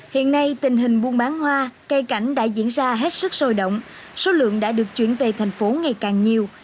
hiện nay tình hình buôn bán hoa cây cảnh đã diễn ra hết sức sôi động số lượng đã được chuyển về thành phố ngày càng nhiều